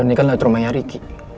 aku kangen banget zak